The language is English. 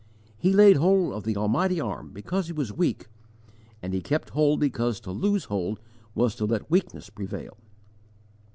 He laid hold of the Almighty Arm because he was weak, and he kept hold because to lose hold was to let weakness prevail.